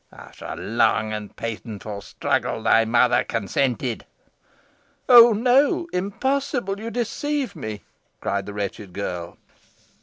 After a long and painful struggle, thy mother consented." "Oh! no impossible! you deceive me," cried the wretched girl.